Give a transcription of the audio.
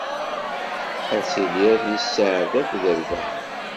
Ad tiliḍ di sseɛd akked rrbeḥ.